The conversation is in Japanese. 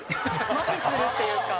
まひするっていうか。